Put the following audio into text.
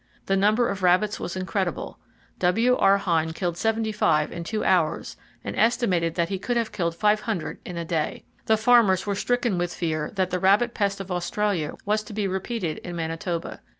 The number of rabbits was incredible. W.R. Hine killed 75 in two hours, and estimated that he could have killed 500 in a day. The farmers were stricken with fear that the rabbit pest of Australia was to be repeated in Manitoba.